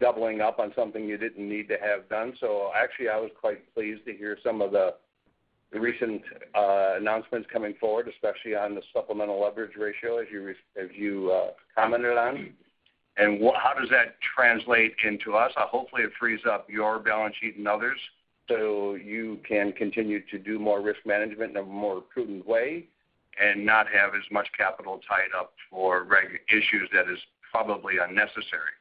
Speaker 3: doubling up on something you didn't need to have done. Actually, I was quite pleased to hear some of the recent announcements coming forward, especially on the supplemental leverage ratio, as you commented on. How does that translate into us? Hopefully, it frees up your balance sheet and others so you can continue to do more risk management in a more prudent way and not have as much capital tied up for issues that are probably unnecessary.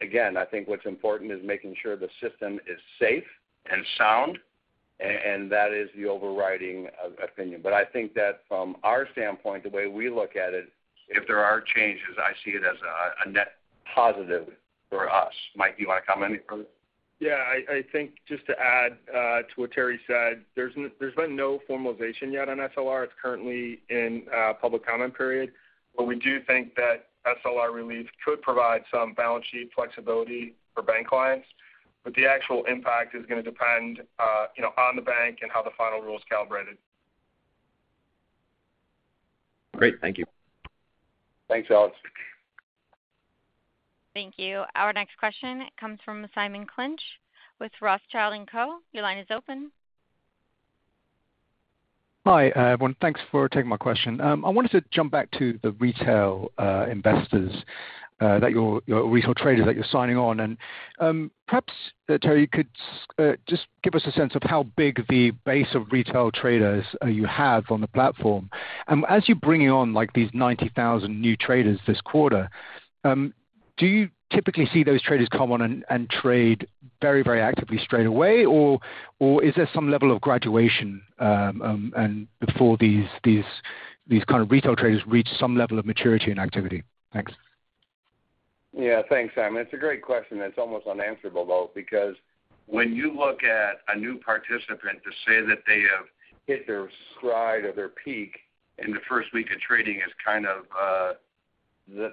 Speaker 3: Again, I think what's important is making sure the system is safe and sound. That is the overriding opinion. I think that from our standpoint, the way we look at it, if there are changes, I see it as a net positive for us. Mike, do you want to comment further?
Speaker 20: Yeah. I think just to add to what Terry said, there's been no formalization yet on SLR. It's currently in public comment period. We do think that SLR relief could provide some balance sheet flexibility for bank clients. The actual impact is going to depend on the bank and how the final rule is calibrated.
Speaker 21: Great. Thank you.
Speaker 3: Thanks, Alex.
Speaker 1: Thank you. Our next question comes from Simon Clinch with Rothschild & Co. Your line is open.
Speaker 22: Hi, everyone. Thanks for taking my question. I wanted to jump back to the retail investors, your retail traders that you're signing on. Perhaps, Terry, you could just give us a sense of how big the base of retail traders you have on the platform. As you're bringing on these 90,000 new traders this quarter, do you typically see those traders come on and trade very, very actively straight away, or is there some level of graduation before these kind of retail traders reach some level of maturity and activity? Thanks.
Speaker 3: Yeah. Thanks, Simon. It's a great question. It's almost unanswerable, though, because when you look at a new participant to say that they have hit their stride or their peak in the first week of trading is kind of.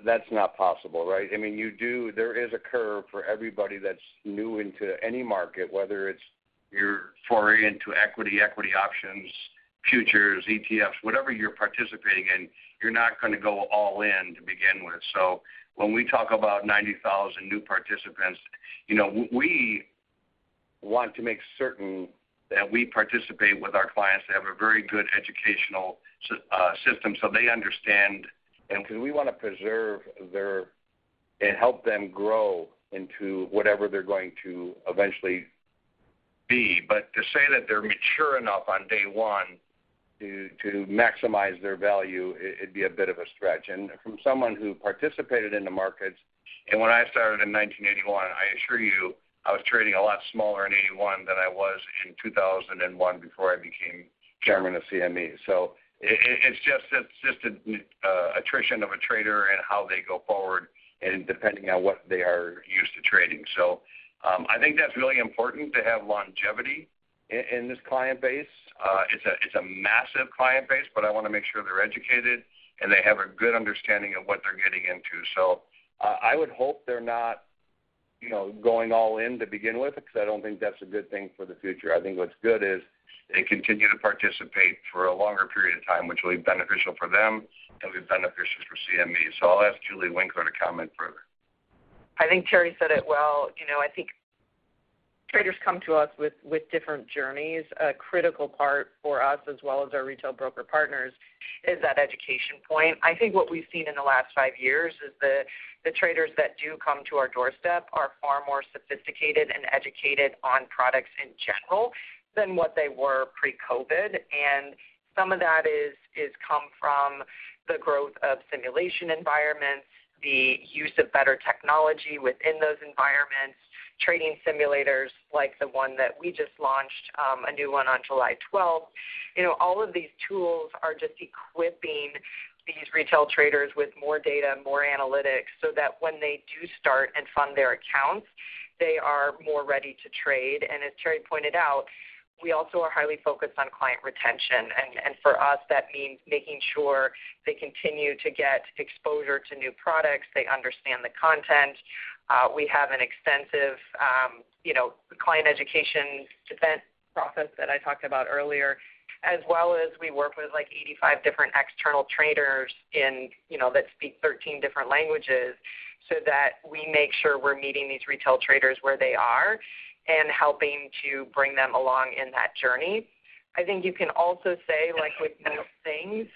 Speaker 3: That's not possible, right? I mean, there is a curve for everybody that's new into any market, whether it's you're foraying into equity, equity options, futures, ETFs, whatever you're participating in, you're not going to go all in to begin with. When we talk about 90,000 new participants, we want to make certain that we participate with our clients to have a very good educational system so they understand. Because we want to preserve their, and help them grow into whatever they're going to eventually be. To say that they're mature enough on day one to maximize their value, it'd be a bit of a stretch. From someone who participated in the markets, and when I started in 1981, I assure you I was trading a lot smaller in 1981 than I was in 2001 before I became Chairman of CME. It's just a tradition of a trader and how they go forward and depending on what they are used to trading. I think that's really important to have longevity in this client base. It's a massive client base, but I want to make sure they're educated and they have a good understanding of what they're getting into. I would hope they're not going all in to begin with because I don't think that's a good thing for the future. I think what's good is they continue to participate for a longer period of time, which will be beneficial for them and will be beneficial for CME. I'll ask Julie Winkler to comment further.
Speaker 7: I think Terry said it well. I think traders come to us with different journeys. A critical part for us, as well as our retail broker partners, is that education point. I think what we've seen in the last five years is that the traders that do come to our doorstep are far more sophisticated and educated on products in general than what they were pre-COVID. Some of that has come from the growth of simulation environments, the use of better technology within those environments, trading simulators like the one that we just launched, a new one on July 12th. All of these tools are just equipping these retail traders with more data, more analytics, so that when they do start and fund their accounts, they are more ready to trade. As Terry pointed out, we also are highly focused on client retention. For us, that means making sure they continue to get exposure to new products. They understand the content. We have an extensive client education event process that I talked about earlier, as well as we work with like 85 different external traders that speak 13 different languages so that we make sure we're meeting these retail traders where they are and helping to bring them along in that journey. I think you can also say, like with most things,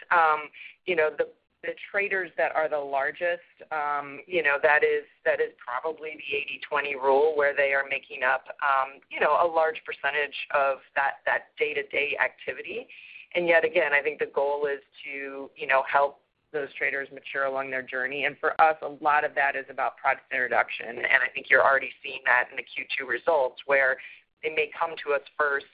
Speaker 7: the traders that are the largest, that is probably the 80/20 rule where they are making up a large percentage of that day-to-day activity. Yet, again, I think the goal is to help those traders mature along their journey. For us, a lot of that is about product introduction. I think you're already seeing that in the Q2 results where they may come to us first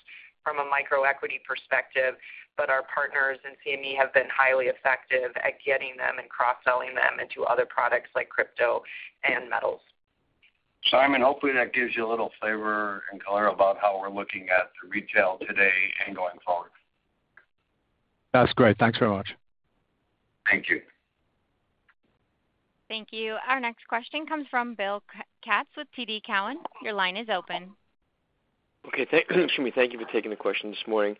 Speaker 7: from a micro-equity perspective, but our partners in CME have been highly effective at getting them and cross-selling them into other products like crypto and metals.
Speaker 3: Simon, hopefully, that gives you a little flavor and color about how we're looking at the retail today and going forward.
Speaker 22: That's great. Thanks very much.
Speaker 3: Thank you.
Speaker 1: Thank you. Our next question comes from Bill Katz with TD Cowen. Your line is open.
Speaker 23: Okay. Excuse me. Thank you for taking the question this morning.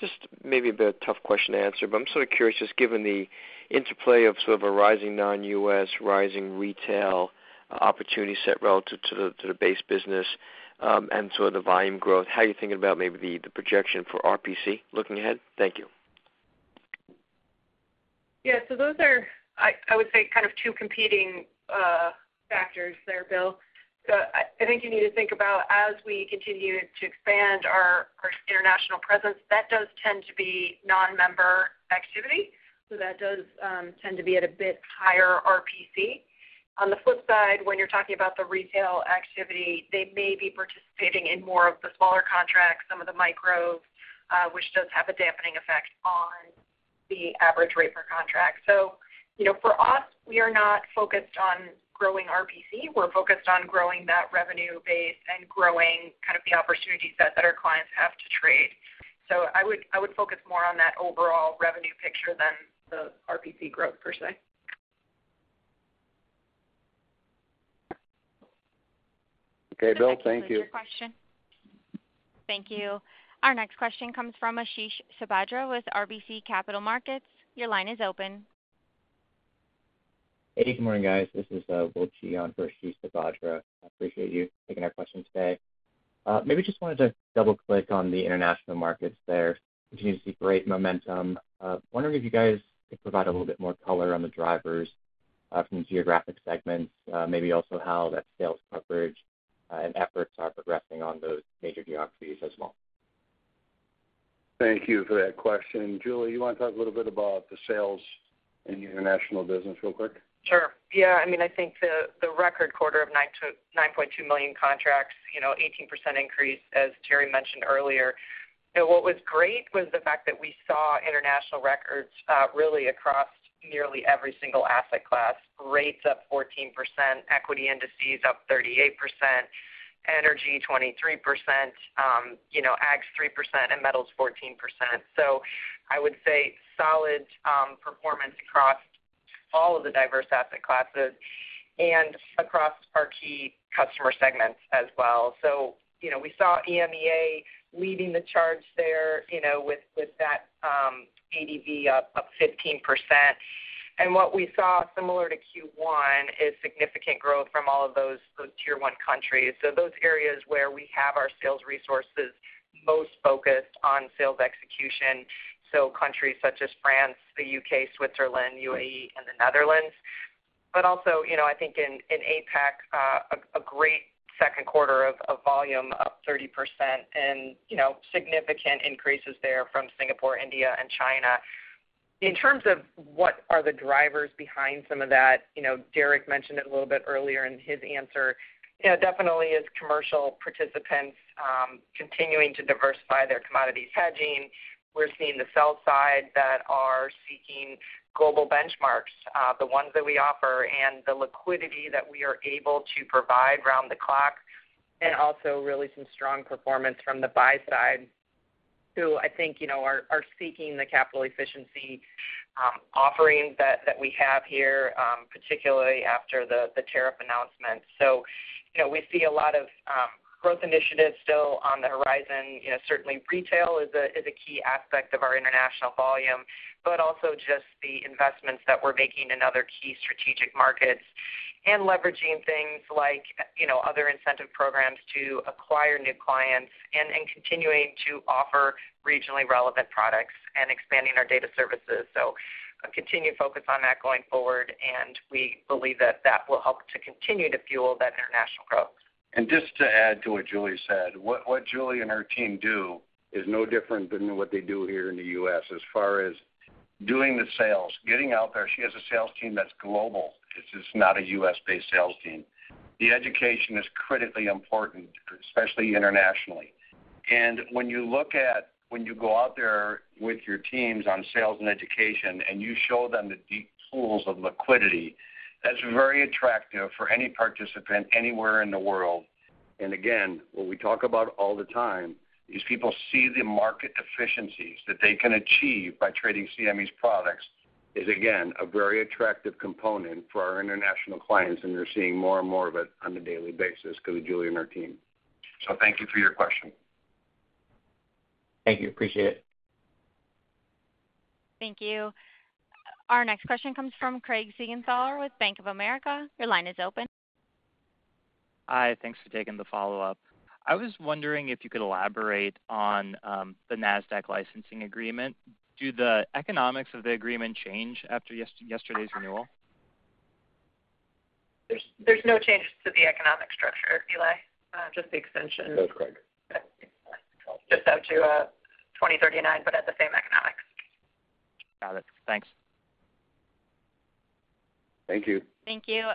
Speaker 23: Just maybe a bit of a tough question to answer, but I'm sort of curious, just given the interplay of sort of a rising non-U.S., rising retail opportunity set relative to the base business. And sort of the volume growth, how are you thinking about maybe the projection for RPC looking ahead? Thank you.
Speaker 4: Yeah. So those are, I would say, kind of two competing factors there, Bill. I think you need to think about, as we continue to expand our international presence, that does tend to be non-member activity. That does tend to be at a bit higher RPC. On the flip side, when you're talking about the retail activity, they may be participating in more of the smaller contracts, some of the micros, which does have a dampening effect on the average rate per contract. For us, we are not focused on growing RPC. We're focused on growing that revenue base and growing kind of the opportunity set that our clients have to trade. I would focus more on that overall revenue picture than the RPC growth per se.
Speaker 3: Okay, Bill. Thank you.
Speaker 1: Thank you. Our next question comes from Ashish Sabadra with RBC Capital Markets. Your line is open.
Speaker 24: Hey, good morning, guys. This is Will Chi on for Ashish Subhadra. I appreciate you taking our questions today. Maybe just wanted to double-click on the international markets there. Continue to see great momentum. Wondering if you guys could provide a little bit more color on the drivers from geographic segments, maybe also how that sales coverage and efforts are progressing on those major geographies as well.
Speaker 3: Thank you for that question. Julie, you want to talk a little bit about the sales and international business real quick?
Speaker 7: Sure. Yeah. I mean, I think the record quarter of 9.2 million contracts, 18% increase, as Terry mentioned earlier. What was great was the fact that we saw international records really across nearly every single asset class. Rates up 14%, equity indices up 38%. Energy 23%. Ags 3%, and metals 14%. I would say solid performance across all of the diverse asset classes and across our key customer segments as well. We saw EMEA leading the charge there with that. ADV up 15%. What we saw similar to Q1 is significant growth from all of those tier-one countries. Those areas where we have our sales resources most focused on sales execution. Countries such as France, the U.K., Switzerland, UAE, and the Netherlands. Also, I think in APAC, a great second quarter of volume up 30% and significant increases there from Singapore, India, and China. In terms of what are the drivers behind some of that, Derek mentioned it a little bit earlier in his answer, definitely as commercial participants continuing to diversify their commodities hedging. We're seeing the sell side that are seeking global benchmarks, the ones that we offer, and the liquidity that we are able to provide round the clock, and also really some strong performance from the buy side. Who I think are seeking the capital efficiency offerings that we have here, particularly after the tariff announcement. We see a lot of growth initiatives still on the horizon. Certainly, retail is a key aspect of our international volume, but also just the investments that we're making in other key strategic markets and leveraging things like other incentive programs to acquire new clients and continuing to offer regionally relevant products and expanding our data services. A continued focus on that going forward, and we believe that that will help to continue to fuel that international growth.
Speaker 3: Just to add to what Julie said, what Julie and her team do is no different than what they do here in the U.S. as far as doing the sales, getting out there. She has a sales team that's global. It's just not a U.S.-based sales team. The education is critically important, especially internationally. When you look at when you go out there with your teams on sales and education and you show them the deep pools of liquidity, that's very attractive for any participant anywhere in the world. What we talk about all the time, these people see the market efficiencies that they can achieve by trading CME Group's products, is, again, a very attractive component for our international clients. We're seeing more and more of it on a daily basis because of Julie and her team. Thank you for your question.
Speaker 24: Thank you. Appreciate it.
Speaker 1: Thank you. Our next question comes from Craig Siegenthaler with Bank of America. Your line is open.
Speaker 25: Hi. Thanks for taking the follow-up. I was wondering if you could elaborate on the Nasdaq licensing agreement. Do the economics of the agreement change after yesterday's renewal?
Speaker 4: There's no changes to the economic structure, Eli, just the extension.
Speaker 3: That's Craig.
Speaker 4: Just out to 2039, but at the same economics.
Speaker 25: Got it. Thanks.
Speaker 3: Thank you.
Speaker 1: Thank you.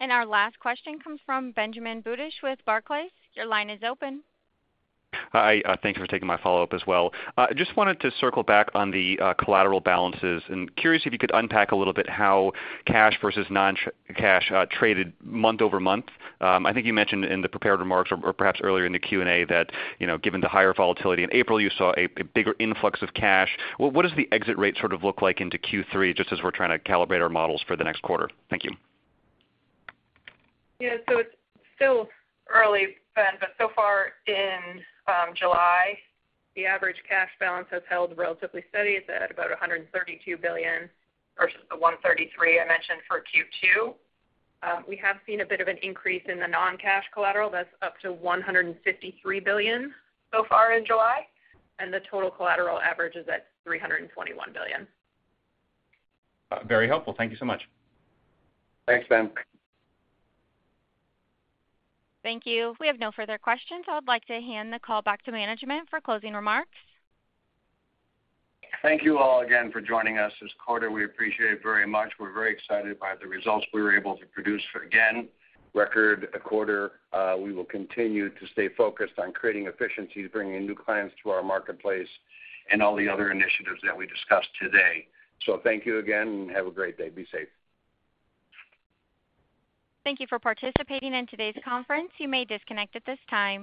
Speaker 1: Our last question comes from Benjamin Budish with Barclays. Your line is open.
Speaker 19: Hi. Thank you for taking my follow-up as well. I just wanted to circle back on the collateral balances. I am curious if you could unpack a little bit how cash versus non-cash traded month over month. I think you mentioned in the prepared remarks or perhaps earlier in the Q&A that given the higher volatility in April, you saw a bigger influx of cash. What does the exit rate sort of look like into Q3, just as we are trying to calibrate our models for the next quarter? Thank you.
Speaker 4: Yeah. It is still early, Ben, but so far in July, the average cash balance has held relatively steady at about $132 billion versus the $133 billion I mentioned for Q2. We have seen a bit of an increase in the non-cash collateral. That is up to $153 billion so far in July. The total collateral average is at $321 billion.
Speaker 19: Very helpful. Thank you so much.
Speaker 3: Thanks, Ben.
Speaker 1: Thank you. We have no further questions. I'd like to hand the call back to management for closing remarks.
Speaker 3: Thank you all again for joining us this quarter. We appreciate it very much. We're very excited by the results we were able to produce again. Record quarter. We will continue to stay focused on creating efficiencies, bringing new clients to our marketplace, and all the other initiatives that we discussed today. Thank you again and have a great day. Be safe.
Speaker 1: Thank you for participating in today's conference. You may disconnect at this time.